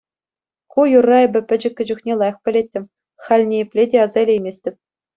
Ку юрра эпӗ пӗчӗккӗ чухне лайӑх пӗлеттӗм, халь ниепле те аса илейместӗп.